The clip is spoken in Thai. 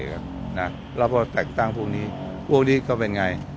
แล้วพอแต่งตั้งพวกนี้พวกนี้ก็เป็นไง